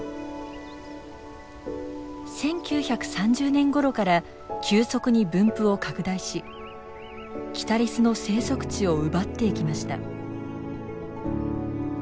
１９３０年ごろから急速に分布を拡大しキタリスの生息地を奪っていきました。